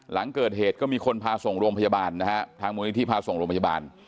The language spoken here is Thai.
หลังเกิดเหตุก็มีคนพาส่งโรงพยาบาลนะฮะทางมูลนิธิพาส่งโรงพยาบาล